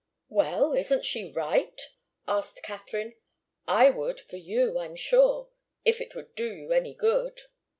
"Well isn't she right?" asked Katharine. "I would, for you, I'm sure if it would do you any good."